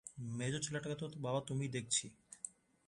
মেজো ছেলেটাকে তো বাবা তুমি দেখেছি।